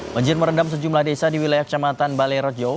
banjir merendam sejumlah desa di wilayah kecamatan balai rejo